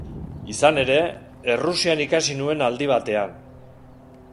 Izan ere, Errusian ikasi nuen aldi batean.